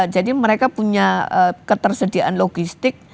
jadi mereka punya ketersediaan logistik